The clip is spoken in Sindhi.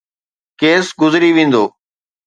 ڪيس گذري ويندو.